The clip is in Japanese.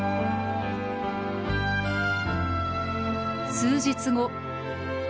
数日後。